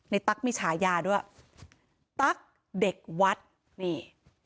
ตั๊กมีฉายาด้วยตั๊กเด็กวัดนี่